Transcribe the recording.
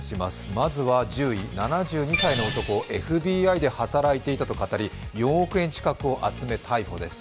まずは１０位、７２歳の男、ＦＢＩで働いていたとかたり４億円近くを集め逮捕です。